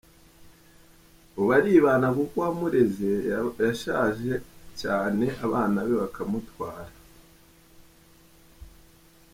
Ubu aribana kuko uwamureze yashaje cyane abana be bakamutwara.